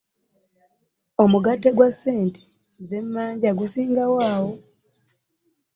Omugatte gwa ssente ze mmanja gusinga awo.